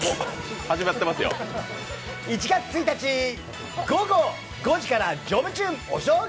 １月１日午後５時から「ジョブチューン」お正月